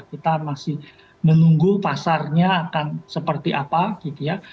kita masih menunggu pasarnya akan seperti apa gitu ya